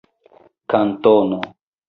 kantono